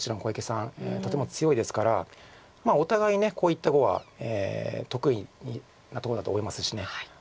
とても強いですからお互いこういった碁は得意なとこだと思いますし。